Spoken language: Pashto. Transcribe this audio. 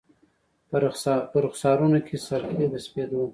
په رخسارونو کي سر خې د سپید و